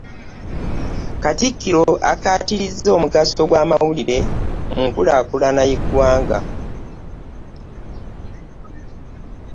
Katikkiro akkaatirizza omugaso gw'amawulire mu nkulaakulana y'eggwanga